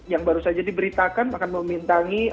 yang baru saja diberitakan akan memintai